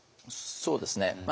そうですね。